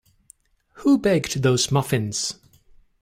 Who baked those muffins?